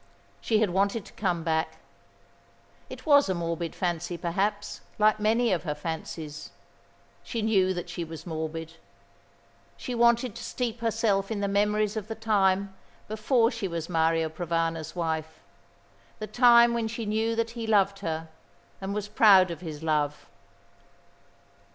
She had wanted to come back. It was a morbid fancy, perhaps, like many of her fancies. She knew that she was morbid. She wanted to steep herself in the memories of the time before she was Mario Provana's wife; the time when she knew that he loved her, and was proud of his love.